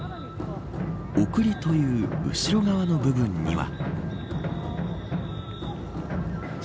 送りという後ろ側の部分には。